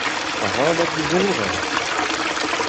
Arabat disoñjal !